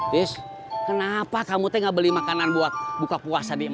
tis kenapa kamu gak beli makanan buat buka puasa dih